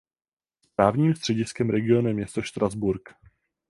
Správním střediskem regionu je město Štrasburk.